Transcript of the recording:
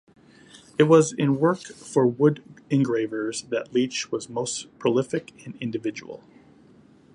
It was in work for the wood-engravers that Leech was most prolific and individual.